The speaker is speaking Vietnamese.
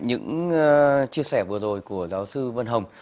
những chia sẻ vừa rồi của giáo sư vân hồng